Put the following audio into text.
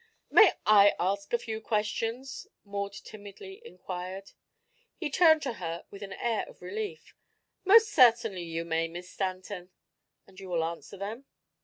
"May I ask a few questions?" Maud timidly inquired. He turned to her with an air of relief. "Most certainly you may, Miss Stanton." "And you will answer them?"